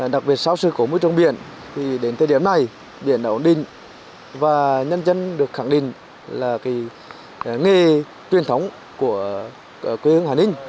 đặc biệt sau sự cổ mũi trong biển đến thời điểm này biển đã ổn định và nhân dân được khẳng định là nghề tuyên thống của quê hương hà ninh